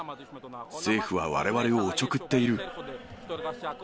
政府はわれわれをおちょくっている。